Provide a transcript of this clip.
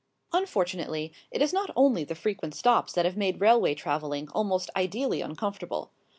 Unfortunately, it is not only the frequent stops that have made railway travelling almost ideally uncomfortable.